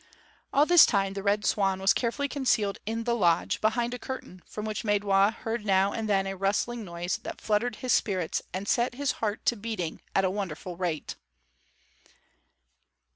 All this time the Red Swan was carefully concealed in the lodge, behind a curtain, from which Maidwa heard now and then a rustling noise that fluttered his spirits and set his heart to beating at a wonderful rate.